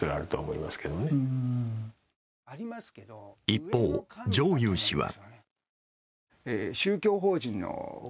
一方、上祐氏は。